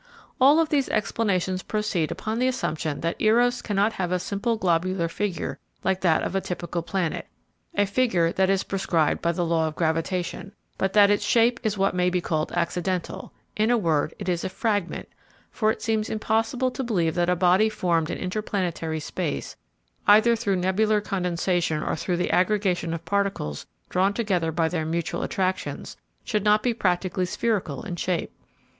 All of these explanations proceed upon the assumption that Eros cannot have a simple globular figure like that of a typical planet, a figure which is prescribed by the law of gravitation, but that its shape is what may be called accidental; in a word, it is a fragment, for it seems impossible to believe that a body formed in interplanetary space, either through nebular condensation or through the aggregation of particles drawn together by their mutual attractions, should not be practically spherical in shape.